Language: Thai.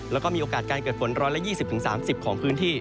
แล้วก็มีโอกาสการเกิดฝน๑๒๐๓๐ของพื้นที่